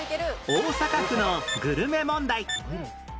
大阪府のグルメ問題